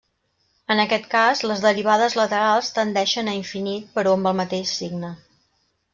En aquest cas, les derivades laterals tendeixen a infinit però amb el mateix signe.